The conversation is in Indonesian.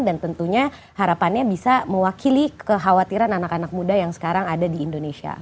dan tentunya harapannya bisa mewakili kekhawatiran anak anak muda yang sekarang ada di indonesia